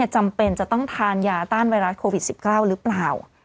จำเป็นจะต้องทานยาต้านไวรัสโควิด๑๙หรือเปล่า